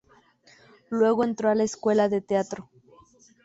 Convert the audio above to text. Luego entró a la escuela de teatro.